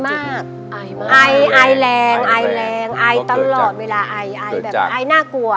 ไอมากไอแรงไอตลอดเวลาไอไอน่ากลัว